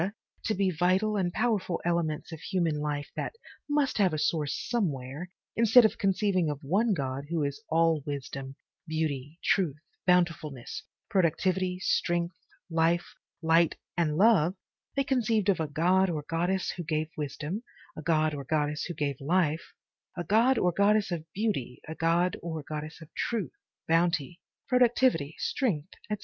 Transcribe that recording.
to be vital and powerful elements of human life that must have a source somewhere, instead of conceiving of one God who is all wisdom, beauty, truth, bountifulness, productivity, strength, life, light and love, they conceived of a god or goddess who gave wisdom, a god or goddess who gave life, a god or goddess of beauty, a god or goddess of truth, bounty, productivity, strength, etc.